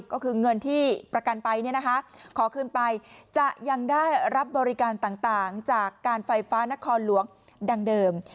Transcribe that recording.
ก็คือเงินที่ประกันไปขอคืนไปจะยังได้รับบริการต่างจากการไฟฟ้านครหลวงดังเดิม